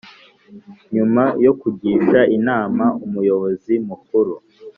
nyuma yo kugisha inama Umuyobozi Mukuru